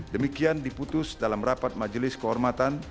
demikian diputus dalam rapat majelis kehormatan